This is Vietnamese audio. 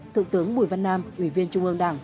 thượng tướng bùi văn nam ủy viên trung ương đảng